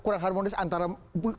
kurang kelihatannya gak tau ya